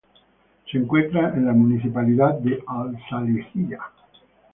Se encuentra en la municipalidad de Al-Salihiyah.